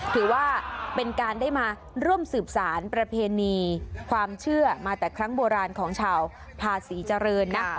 ถือว่าเป็นการได้มาร่วมสืบสารประเพณีความเชื่อมาแต่ครั้งโบราณของชาวภาษีเจริญนะ